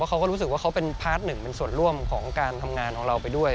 เขาก็รู้สึกว่าเขาเป็นพาร์ทหนึ่งเป็นส่วนร่วมของการทำงานของเราไปด้วย